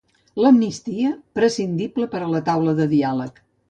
L'amnistia, prescindible per a la taula de diàleg.